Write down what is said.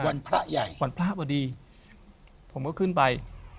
พระใหญ่วันพระพอดีผมก็ขึ้นไป